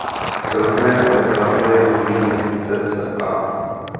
Celkově se v Brazílii mluví cca.